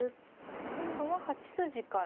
今度は８筋から。